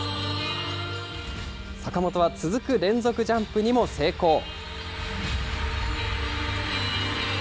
坂本は続く連続ジャンプにも成功。